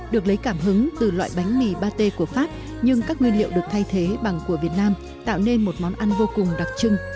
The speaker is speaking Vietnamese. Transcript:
được lấy cảm hứng từ loại bánh mì ba t của pháp nhưng các nguyên liệu được thay thế bằng của việt nam tạo nên một món ăn vô cùng đặc trưng